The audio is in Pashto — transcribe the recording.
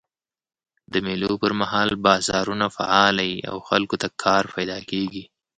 د مېلو پر مهال بازارونه فعاله يي او خلکو ته کار پیدا کېږي.